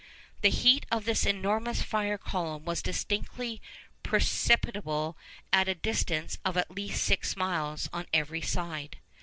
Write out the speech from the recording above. The heat of this enormous fire column was distinctly perceptible at a distance of at least six miles on every side.